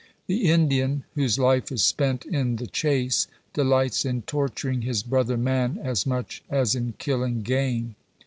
The Indian, whose life is spent in the chase, delights in tortur ing his brother man as much as in killing game.